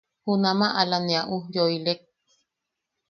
Junama ala ne a ujyooilek.